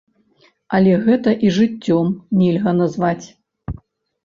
Але гэта і жыццём нельга назваць.